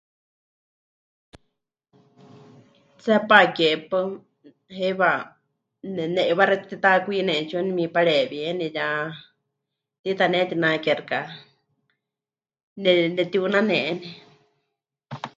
Tseepá ke paɨ, heiwa ne... ne'iwá xewítɨ mɨtitakwinie 'etsiwa nemipareewieni ya tiita mɨnetinake xɨka ne... netiunaneni.